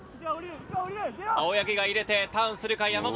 青柳が入れてターンするか、山本。